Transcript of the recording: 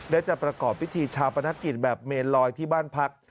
และจะประกอบพิธีชาปนกิจแบบเมนลอยที่บ้านพัก